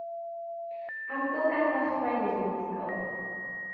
Awdl gan Walchmai fu'n fuddugol.